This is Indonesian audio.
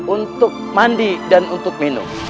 untuk mandi dan untuk minum